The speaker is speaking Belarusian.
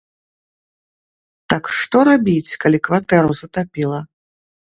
Так што рабіць, калі кватэру затапіла?